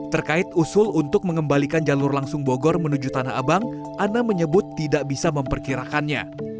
terkait usul untuk mengembalikan jalur langsung bogor menuju tanah abang ana menyebut tidak bisa memperkirakannya